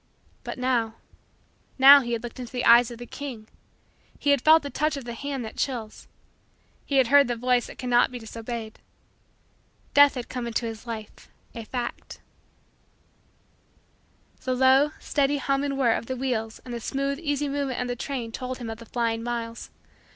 But now now he had looked into the eyes of the King. He had felt the touch of the hand that chills. He had heard the voice that cannot be disobeyed. Death had come into his life a fact. The low, steady, hum and whirr of the wheels and the smooth, easy movement of the train told him of the flying miles.